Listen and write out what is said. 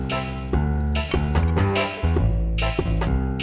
gak usah bayar